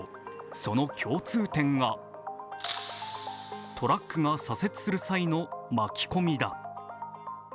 その共通点がトラックが左折する際の巻き込みだ。